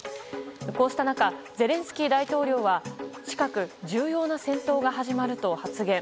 こうした中ゼレンスキー大統領は近く重要な戦闘が始まると発言。